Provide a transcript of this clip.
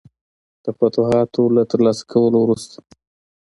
د فتوحاتو له ترلاسه کولو وروسته.